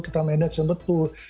kita manage yang betul